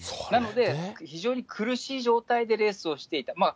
なので、非常に苦しい状態でレースをしていた。